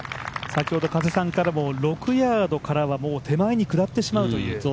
先ほど加瀬さんからも６ヤードからはもう手前に食らってしまうという。